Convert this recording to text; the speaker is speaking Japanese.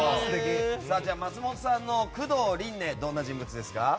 松本さんの九堂りんねはどんな人物ですか？